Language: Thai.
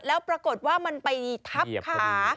แล้วปรากฏว่ามันไปทับขา